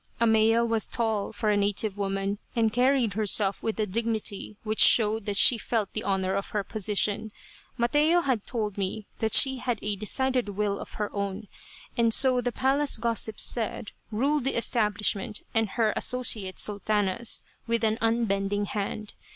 Ahmeya was tall, for a native woman, and carried herself with a dignity which showed that she felt the honor of her position. Mateo had told me that she had a decided will of her own, and, so the palace gossips said, ruled the establishment, and her associate sultanas, with an unbending hand.